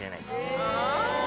え。